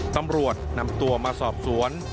ตำรวจนำตัวมาสอบสวน